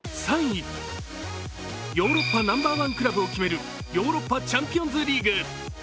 ヨーロッパナンバーワンクラブを決めるヨーロッパチャンピオンズリーグ。